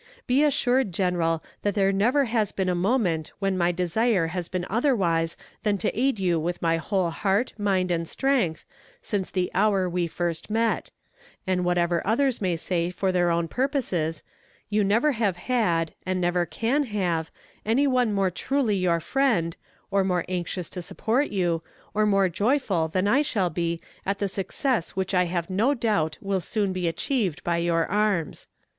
Be assured, General, that there never has been a moment when my desire has been otherwise than to aid you with my whole heart, mind and strength, since the hour we first met; and whatever others may say for their own purposes, you never have had, and never can have, any one more truly your friend, or more anxious to support you, or more joyful than I shall be at the success which I have no doubt will soon be achieved by your arms."